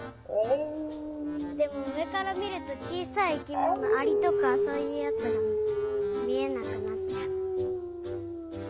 でもうえからみるとちいさい生きものアリとかそういうやつがみえなくなっちゃう。